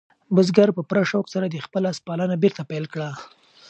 بزګر په پوره شوق سره د خپل آس پالنه بېرته پیل کړه.